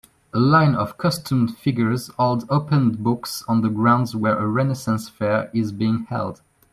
A line of costumed figures hold opened books on the grounds where a Renaissance Fair is being held